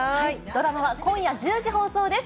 ドラマは今夜１０時放送です。